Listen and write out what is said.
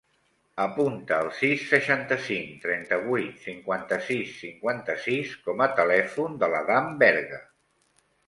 Apunta el sis, seixanta-cinc, trenta-vuit, cinquanta-sis, cinquanta-sis com a telèfon de l'Adam Berga.